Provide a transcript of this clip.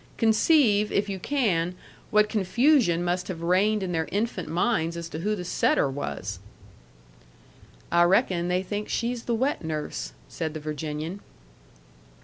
Conceive, if you can, what confusion must have reigned in their infant minds as to who the setter was! "I reckon they think she's the wet nurse," said the Virginian.